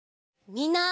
みんな。